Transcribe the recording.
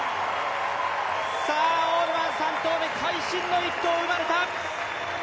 オールマン３投目会心の一投、生まれた。